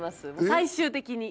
最終的に。